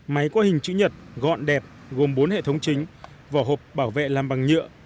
máy có hình chữ nhật gọn đẹp gồm bốn hệ thống chính vỏ hộp bảo vệ làm bằng nhựa